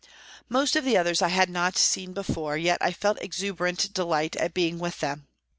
" Most of the others I had not seen before, yet I felt exuberant delight at being with them.